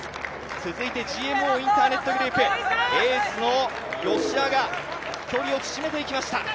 続いてＧＭＯインターネットグループ、エースの吉田が距離を縮めていきました。